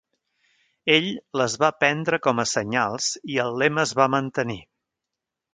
Ell les va prendre com a senyals i el lema es va mantenir.